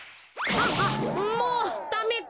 ああもうダメだ。